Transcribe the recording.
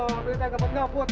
beritanya ga mau ngaput